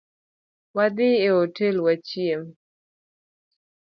Wadhii e hotel wachiem